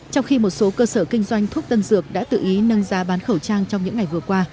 trong khi một số cơ sở kinh doanh thuốc tân dược đã tự ý nâng giá bán khẩu trang trong những ngày vừa qua